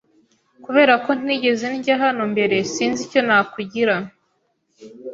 Kubera ko ntigeze ndya hano mbere, sinzi icyo nakugira.